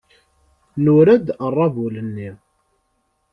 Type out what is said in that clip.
Nura-d aṛabul-nni.